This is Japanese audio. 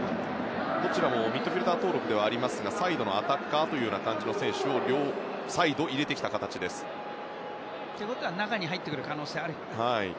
どちらもミッドフィールダー登録ですがサイドのアタッカーという感じの選手を両サイドに入れてきた形。ってことは中に入る可能性があるな。